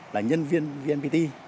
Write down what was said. là nhân viên vnpt